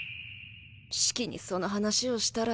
シキにその話をしたら。